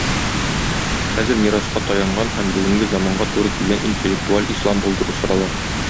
Хәзер мираска таянган һәм бүгенге заманга туры килгән интеллектуаль ислам булдыру сорала.